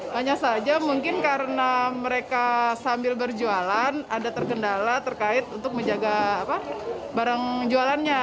hanya saja mungkin karena mereka sambil berjualan ada terkendala terkait untuk menjaga barang jualannya